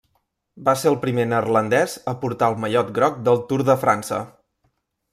Va ser el primer neerlandès a portar el mallot groc del Tour de França.